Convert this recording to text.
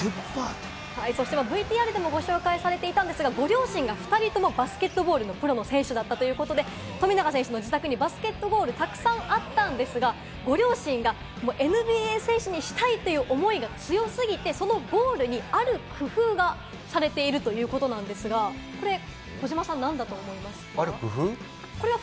ＶＴＲでもご紹介されていたんですが、ご両親が２人ともバスケットボールのプロの選手だったということで、富永選手の自宅にバスケットゴール、たくさんあったんですが、ご両親がＮＢＡ選手にしたいという思いが強すぎて、そのゴールにある工夫がされているということなんですが、これ児嶋さん、なんだと思います？